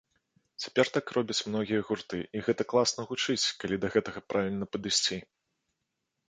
Цяпер так робяць многія гурты, і гэта класна гучыць, калі да гэтага правільна падысці.